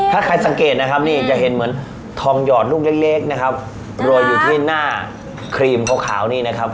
ถ้าใครสังเกตก็เห็นทองหยอดลูกเล็กรวยอยู่ที่หน้าครีมขาว